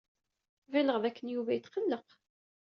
Ɣileɣ dakken Yuba yetqelleq.